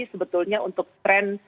sebetulnya untuk trend